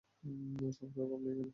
খাবারের অভাব নেই এখানে।